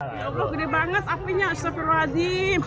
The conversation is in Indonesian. ya allah gede banget apinya astagfirullahaladzim